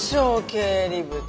経理部で。